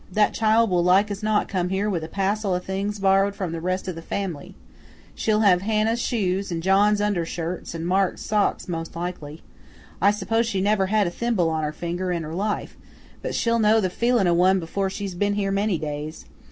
That child will like as not come here with a passel o' things borrowed from the rest o' the family. She'll have Hannah's shoes and John's undershirts and Mark's socks most likely. I suppose she never had a thimble on her finger in her life, but she'll know the feelin' o' one before she's ben here many days.